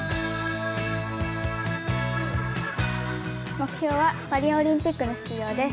目標はパリオリンピックへの出場です。